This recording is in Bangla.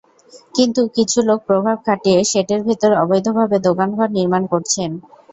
কিন্তু কিছু লোক প্রভাব খাটিয়ে শেডের ভেতর অবৈধভাবে দোকানঘর নির্মাণ করছেন।